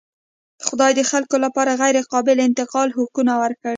خدای د خلکو لپاره غیرقابل انتقال حقونه ورکړي.